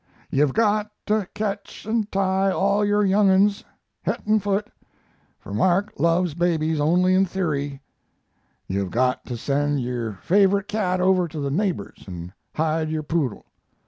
Yu hav got to ketch and tie all yure yung ones, hed and foot, for Mark luvs babys only in theory; yu hav got to send yure favorite kat over to the nabors and hide yure poodle.